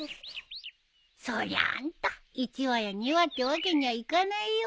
そりゃあんた１羽や２羽ってわけにはいかないよ？